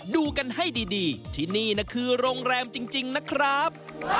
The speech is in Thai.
ดูกันให้ดีที่นี่คือโรงแรมจริงนะครับ